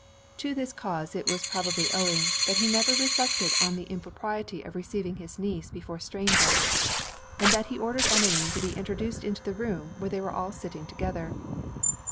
To this cause it was probably owing, that he never reflected on the impropriety of receiving his niece before strangers; and that he ordered Emmeline to be introduced into the room where they were all sitting together.